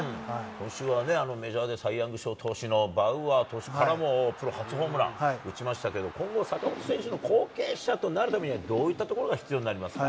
今週はメジャーでサイ・ヤング賞のバウアー投手からもプロ初ホームラン、打ちましたけど、今後、坂本選手の後継者となるためには、どういったところが必要になりますか。